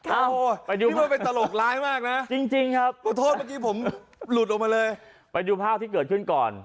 อ้าวนี่มันเป็นตลกร้ายมากนะโทษเมื่อกี้ผมหลุดออกมาเลยไปดูภาพที่เกิดขึ้นก่อน